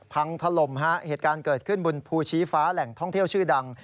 พังถล่มฮะเหตุการณ์เกิดขึ้นบนภูชีฟ้าแหล่งท่องเที่ยวชื่อดัง